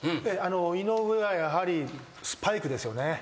井上はやはりスパイクですよね。